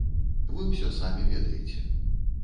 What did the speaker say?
Вы ўсё самі ведаеце.